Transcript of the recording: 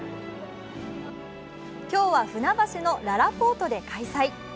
今日は船橋のららぽーとで開催。